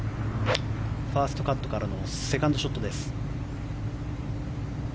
ファーストカットからのセカンドショットです。